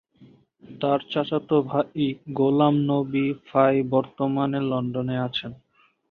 তার চাচাতো ভাই গোলাম নবী ফাই বর্তমানে লন্ডনে আছেন।